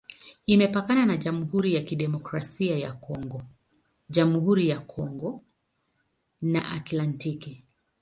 Imepakana na Jamhuri ya Kidemokrasia ya Kongo, Jamhuri ya Kongo na Atlantiki.